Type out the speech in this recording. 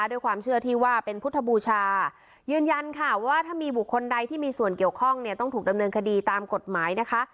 ด้วยความเชื่อที่ว่าเป็นพุทธบูชายืนยันค่ะว่าถ้ามีบุคคลใดที่มีส่วนเกี่ยวข้องเนี่ยต้องถูกดำเนินคดีตามกฎหมายนะคะ